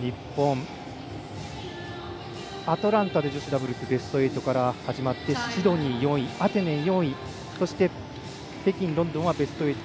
日本、アトランタで女子ダブルスベスト８から始まってシドニー４位アテネ４位そして北京、ロンドンはベスト８。